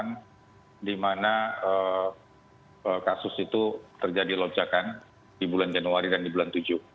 pengalaman di mana kasus itu terjadi lonjakan di bulan januari dan di bulan tujuh